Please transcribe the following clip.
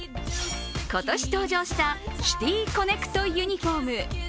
今年登場したシティ・コネクトユニフォーム。